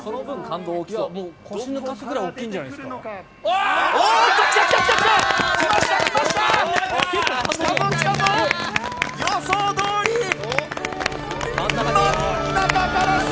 腰を抜かすぐらい大きいんじゃないですか？